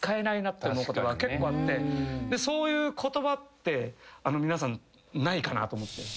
結構あってそういう言葉って皆さんないかなと思って。